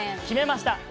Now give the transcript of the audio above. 決めました。